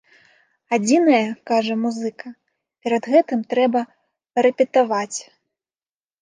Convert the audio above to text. Адзінае, кажа музыка, перад гэтым трэба парэпетаваць.